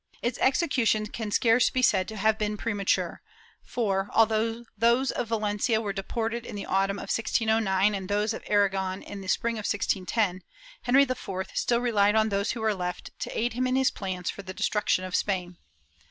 Its execution can scarce be said to have been premature for, although those of Valencia were deported in the autumn of 1609 and those of Aragon in the spring of 1610, Henry IV still relied on those who were left to aid him in his plans for the destruction of Spain.